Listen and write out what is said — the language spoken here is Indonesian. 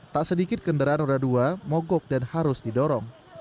tak sedikit kendaraan roda dua mogok dan harus didorong